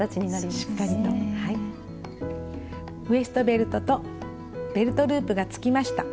ウエストベルトとベルトループがつきました。